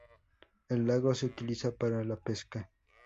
El lago se utiliza para la pesca.